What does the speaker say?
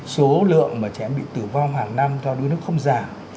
số lượng mà trẻ bị tử vong hàng năm do đuối nước không giảm